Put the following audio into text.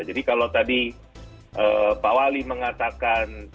jadi kalau tadi pak wali mengatakan